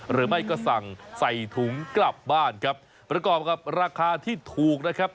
หรือไม่ก็สั่งใส่ถุงกลับบ้านครับประกอบกับราคาที่ถูกนะครับ